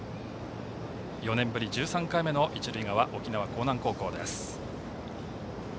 ４年ぶり１３回目の一塁側沖縄・興南高校です。